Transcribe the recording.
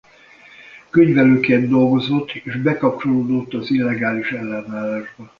Könyvelőként dolgozott és bekapcsolódott az illegális ellenállásba.